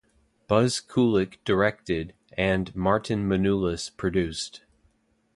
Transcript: Buzz Kulik directed and Martin Manulis produced.